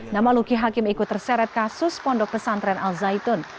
nama luki hakim ikut terseret kasus pondok pesantren al zaitun